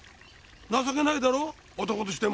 情けないだろ男としても。